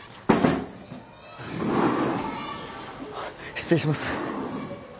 ・失礼します。